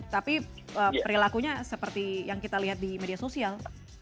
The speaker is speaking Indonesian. tapi perilakunya seperti yang kita lihat di media sosial